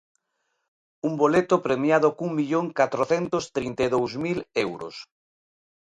Un boleto premiado cun millón catrocentos trinta e dous mil euros.